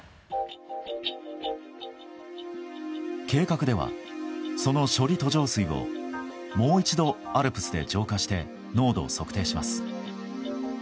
計画では、その処理途上水をもう一度ＡＬＰＳで浄化して濃度を測定します。